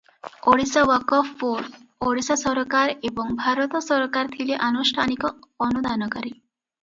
ଓଡ଼ିଶା ୱାକଫ ବୋର୍ଡ଼, ଓଡ଼ିଶା ସରକାର ଏବଂ ଭାରତ ସରକାର ଥିଲେ ଆନୁଷ୍ଠାନିକ ଅନୁଦାନକାରୀ ।